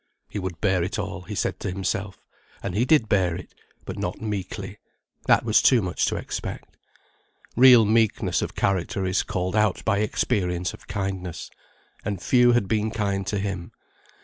He would bear it all, he said to himself. And he did bear it, but not meekly; that was too much to expect. Real meekness of character is called out by experience of kindness. And few had been kind to him.